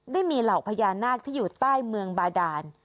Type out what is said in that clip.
ได้มีเหล่าพญานาคที่อยู่ใต้เมืองบาดาน